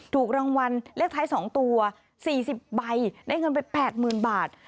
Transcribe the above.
ถูกรางวัลเลขท้าย๒ตัว๔๐ใบได้เงินไป๘๐๐๐บาท